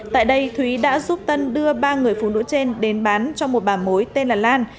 tại đây thúy đã giúp tân đưa ba người phụ nữ trên đến bán cho một bà mối tên là lan